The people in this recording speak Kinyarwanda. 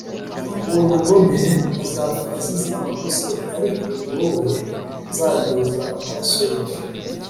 uwo mugome azapfa azize amakosa ye, ariko ni wowe nzaryoza amaraso ye.